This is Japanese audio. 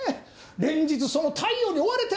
連日その対応に追われて！